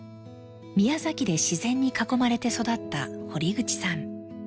宮崎で自然に囲まれて育った堀口さん。